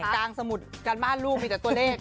กลางสมุดการบ้านรูปมีแต่ตัวเลข